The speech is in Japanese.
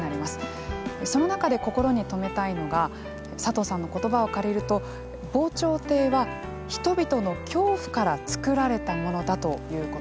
その中で心に留めたいのが佐藤さんの言葉を借りると防潮堤は人々の恐怖から作られたものだということです。